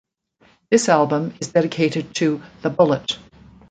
This Album is dedicated to "The Bullet".